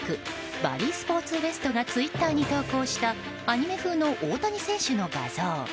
バリー・スポーツ・ウェストがツイッターに投稿したアニメ風の大谷選手の画像。